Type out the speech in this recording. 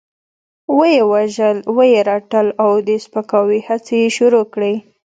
وه يې وژل، وه يې رټل او د سپکاوي هڅې يې شروع کړې.